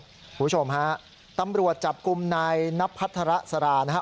คุณผู้ชมฮะตำรวจจับกลุ่มนายนับพัฒระสารานะครับ